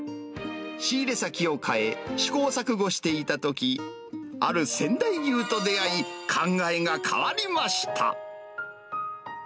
仕入れ先を変え、試行錯誤していたとき、ある仙台牛と出会い、考えが変わりました。